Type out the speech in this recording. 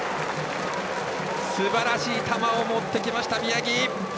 すばらしい球を持ってきました宮城。